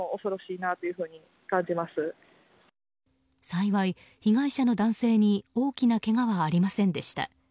幸い、被害者の男性に大きなけがはありませんでした。